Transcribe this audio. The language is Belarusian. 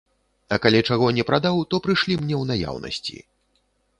А калі чаго не прадаў, то прышлі мне ў наяўнасці.